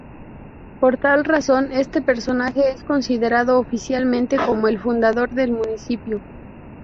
Por tal razón, este personaje es considerado oficialmente como el fundador del municipio.